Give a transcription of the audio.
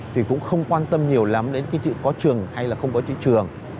thì cũng không quan tâm nhiều lắm đến cái chữ có trường hay là không có chữ trường